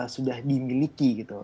sudah dimiliki gitu